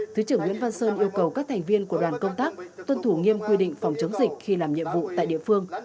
thứ trưởng nguyễn văn sơn yêu cầu các thành viên của đoàn công tác tuân thủ nghiêm quy định phòng chống dịch khi làm nhiệm vụ tại địa phương